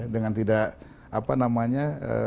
dengan tidak apa namanya